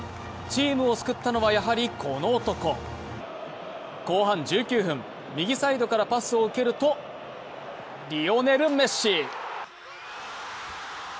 チームを救ったのは、やはりこの男後半１９分、右サイドからパスを受けるとリオネル・メッシ。